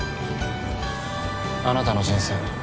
あなたの人生